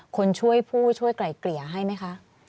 คนช่วยผู้ช่วยไกล่เกลี่ยให้ไหมคะ